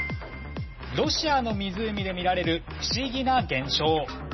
ロシアの湖で見られる不思議な現象。